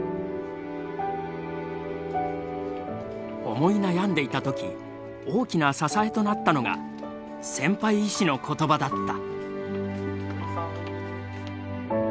思い悩んでいた時大きな支えとなったのが先輩医師の言葉だった。